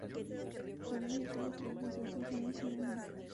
Con ella tuvo trillizos, dos niños y una niña.